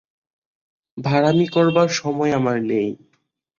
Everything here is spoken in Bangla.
ভাঁড়ামি করবার সময় আমার নেই।